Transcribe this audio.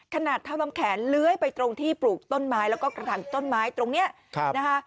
ขนาดเท่าน้ำแขนเลื้อยไปตรงที่ปลูกต้นไม้แล้วก็กระถังต้นไม้ตรงนี้นะคะ